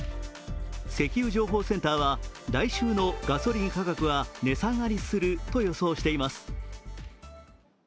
石油情報センターは来週のガソリン価格は値下がりすると予想しています。